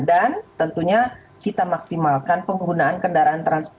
dan tentunya kita maksimalkan penggunaan kendaraan transportasi